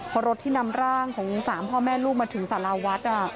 พอรถที่นำร่างของ๓พ่อแม่ลูกมาถึงสารวัฒน์